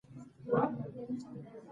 اوبه د سیاست برخه ګرځېدلې ده.